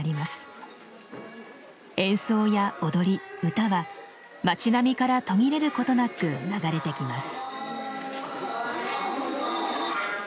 演奏や踊り唄は町並みから途切れることなく流れてきます。